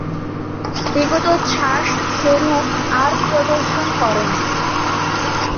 বিগতোচ্ছ্বাস সে রূপ আর প্রদর্শন করে না।